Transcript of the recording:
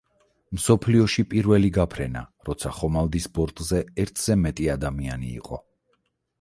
მსოფლიოში პირველი გაფრენა როცა ხომალდის ბორტზე ერთზე მეტი ადამიანი იყო.